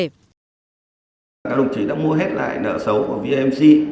các đồng chí đã mua hết lại nợ xấu của vnc